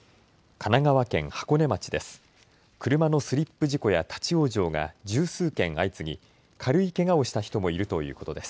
神奈川県箱根町です。